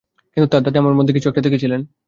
কিন্তু তার দাদী আমার মধ্যে কিছু একটা দেখেছিলেন।